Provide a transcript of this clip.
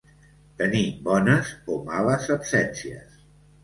Tenir bones o males absències.